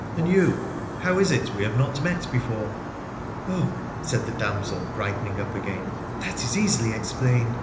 And you — how is it we have not met before?' ' Oh,' said the damsel, brightening up again, ' that is easily explained.